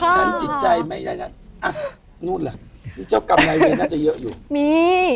เจ้ากลำในเวนน่าจะเยอะอยู่